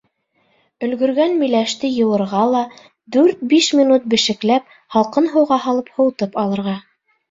Өлгөргән миләште йыуырға ла дүрт-биш минут бешекләп, һалҡын һыуға һалып һыуытып алырға.